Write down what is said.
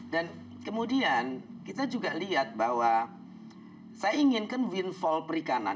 dan kemudian kita juga lihat bahwa saya inginkan windfall perikanan